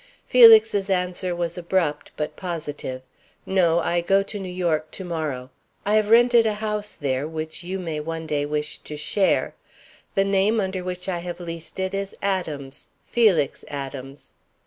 Felix's answer was abrupt, but positive. "No; I go to New York to morrow. I have rented a house there, which you may one day wish to share. The name under which I have leased it is Adams, Felix Adams.